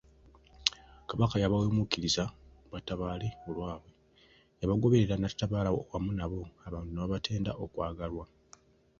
Kabaka eyabawemuukiriza batabaale olwabwe, yabagoberera n'atabaala wamu nabo, abantu ne babatenda okwagalwa.